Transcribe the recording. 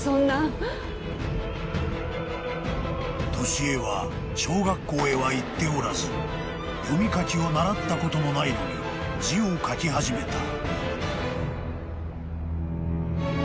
［年恵は小学校へは行っておらず読み書きを習ったこともないのに字を書き始めた］